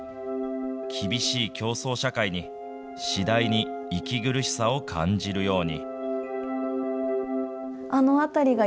厳しい競争社会に、次第に息苦しさを感じるように。